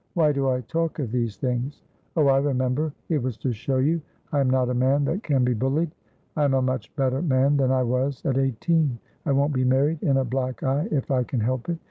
why do I talk of these things? Oh, I remember, it was to show you I am not a man that can be bullied. I am a much better man than I was at eighteen. I won't be married in a black eye if I can help it.